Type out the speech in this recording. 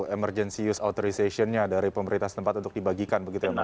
emergency use authorization nya dari pemerintah setempat untuk dibagikan begitu ya mas